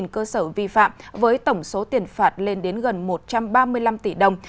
một mươi cơ sở vi phạm với tổng số tiền phạt lên đến gần một trăm ba mươi năm tỷ đồng